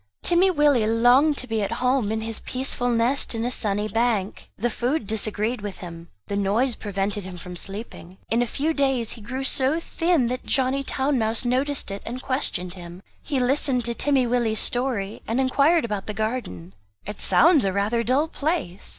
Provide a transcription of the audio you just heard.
Timmy Willie longed to be at home in his peaceful nest in a sunny bank. The food disagreed with him; the noise prevented him from sleeping. In a few days he grew so thin that Johnny Town mouse noticed it, and questioned him. He listened to Timmy Willie's story and inquired about the garden. "It sounds rather a dull place?